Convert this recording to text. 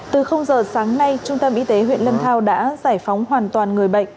từ giờ sáng nay trung tâm y tế huyện lâm thao đã giải phóng hoàn toàn người bệnh